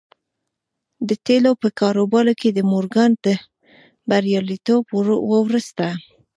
د تيلو په کاروبار کې د مورګان تر برياليتوب وروسته.